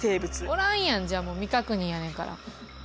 おらんやんじゃあもう未確認やねんから。